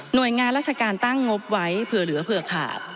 โดยงานราชการตั้งงบไว้เผื่อเหลือเผื่อขาด